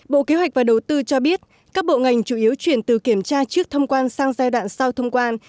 bộ kế hoạch và đầu tư cho biết các bộ ngành chủ yếu chuyển từ kiểm tra trước thông quan sang giai đoạn sau thông quan